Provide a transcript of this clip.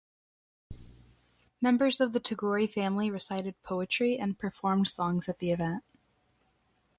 Members of the Tagore family recited poetry and performed songs at the event.